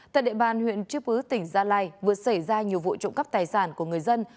tại địa bàn huyện chư pứ tỉnh gia lai vừa xảy ra nhiều vụ trộm cắp tài sản của người dân